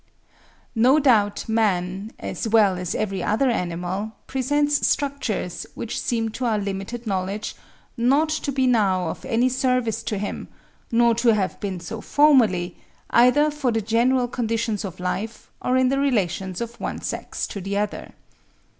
No doubt man, as well as every other animal, presents structures, which seem to our limited knowledge, not to be now of any service to him, nor to have been so formerly, either for the general conditions of life, or in the relations of one sex to the other.